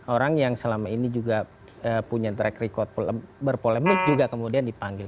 orang yang selama ini juga punya track record berpolemik juga kemudian dipanggil